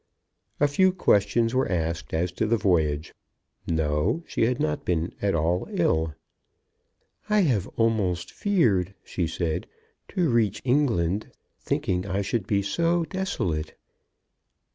A few questions were asked as to the voyage. No; she had not been at all ill. "I have almost feared," she said, "to reach England, thinking I should be so desolate."